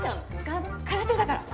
空手だから。